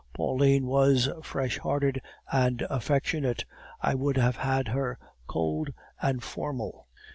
Pauline was fresh hearted and affectionate I would have had her cold and formal.